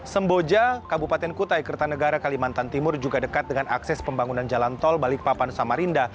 semboja kabupaten kutai kertanegara kalimantan timur juga dekat dengan akses pembangunan jalan tol balikpapan samarinda